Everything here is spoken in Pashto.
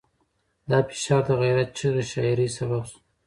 دا فشار د غیرت چغې شاعرۍ سبب شو.